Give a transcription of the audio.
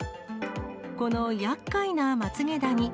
このやっかいなまつげダニ。